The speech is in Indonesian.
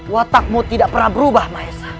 watakmu tidak pernah berubah maes